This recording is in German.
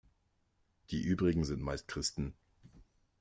Die übrigen sind meist Christen.